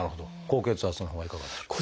高血圧のほうはいかがでしょう？